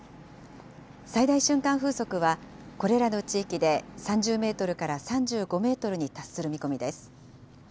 最大瞬間風速は、これらの地域で３０メートルから３５メートルに達する見込みです。